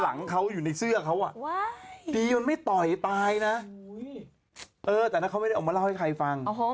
เฮ่ยไม่บันทัศน์นี่เกาะอยู่ทีหลังพี่ป๋อง